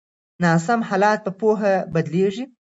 ناسم حالات په پوهه بدلیږي.